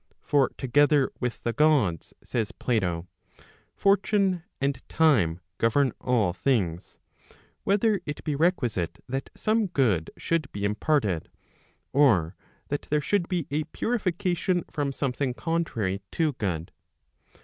For, together with the Gods, says Plato, Fortune and Time govern all things, whether it be requisite that some good should be imparted, or that there should be a purification from something contrary to good.